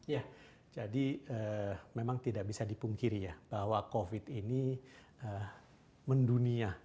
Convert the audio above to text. ya jadi memang tidak bisa dipungkiri ya bahwa covid ini mendunia